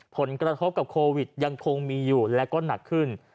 ผลกระทบกับโควิดยังคงมีอยู่และก็หนักขึ้น